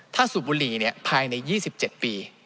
ถ้าสูบบุหรี่ภายใน๒๗ปี